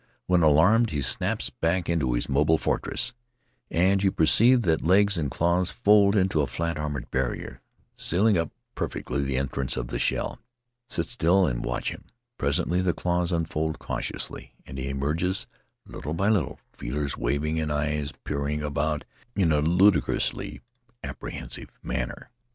When alarmed he snaps back into his mobile fortress, and you perceive that legs and claws fold into a fiat armored barrier, sealing up perfectly the entrance of the shell. Sit still and watch him; presently the claws unfold cautiously and he emerges little by little, feelers waving and eyes peering about in a ludicrously apprehensive manner.